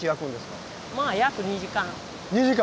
まあ約２時間。